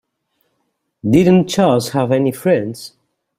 Didn't Charles have any friends?